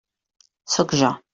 Sóc jo.